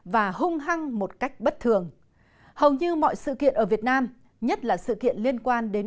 và hung hăng một cách bất thường hầu như mọi sự kiện ở việt nam nhất là sự kiện liên quan đến